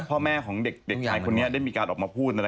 อ่าพ่อแม่ของเด็กเด็กไข่คนนี้ได้มีการออกมาพูดนะ